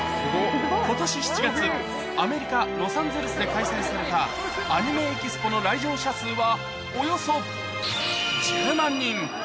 ことし７月、アメリカ・ロサンゼルスで開催されたＡｎｉｍｅＥｘｐｏの来場者数はおよそ１０万人。